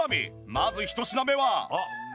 まず１品目は。